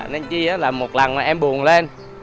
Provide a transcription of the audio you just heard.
nên chi là một lần mà em buồn lên